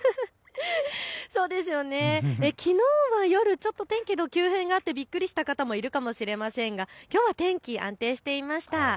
きのうは夜ちょっと天気の急変があって、びっくりした方もいるかもしれませんがきょうは天気安定していました。